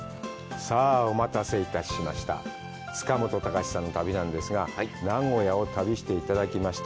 さあ、お待たせいたしました塚本高史さんの旅なんですが、長野を旅していただきました。